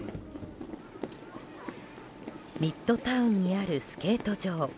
ミッドタウンにあるスケート場。